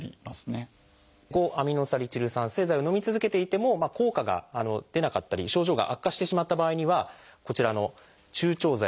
５−アミノサリチル酸製剤をのみ続けていても効果が出なかったり症状が悪化してしまった場合にはこちらの注腸剤。